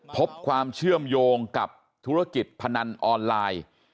พบความเชื่อมโยงกับธุรกิจพนันออนไลน์